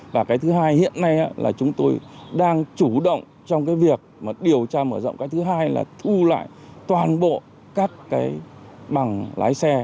và cái thứ hai hiện nay là chúng tôi đang chủ động trong cái việc mà điều tra mở rộng cái thứ hai là thu lại toàn bộ các cái bằng lái xe